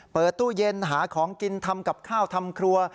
เปิดตู้เย็นหาของกินทำกับข้าวทำครัว